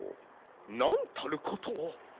なんたることを！